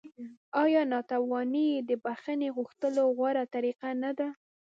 آیا نانواتې د بخښنې غوښتلو غوره طریقه نه ده؟